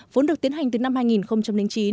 vốn được tiến hành từ năm hai nghìn chín